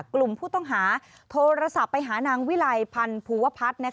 กลุ่มผู้ต้องหาโทรศัพท์ไปหานางวิลัยพันธ์ภูวพัฒน์